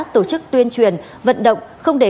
tổ chức tuyên truyền vận động không để